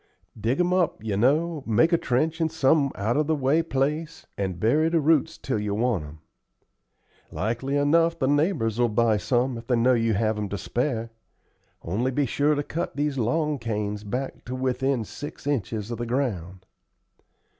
Dig 'em up, you know; make a trench in some out of the way place, and bury the roots till you want 'em. Like enough the neighbors will buy some if they know you have 'em to spare. Only be sure to cut these long canes back to within six inches of the ground."